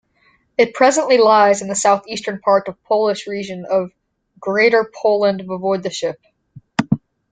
It presently lies in the south-eastern part of Polish region of Greater Poland Voivodeship.